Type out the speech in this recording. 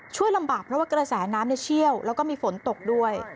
ลำบากเพราะว่ากระแสน้ำเชี่ยวแล้วก็มีฝนตกด้วย